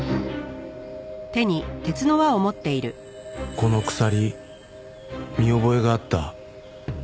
この鎖見覚えがあった